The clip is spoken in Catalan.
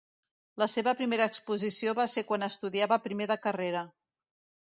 La seva primera exposició va ser quan estudiava primer de carrera.